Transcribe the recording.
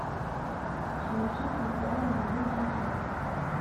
Son absence ne pourra engendrer une sanction.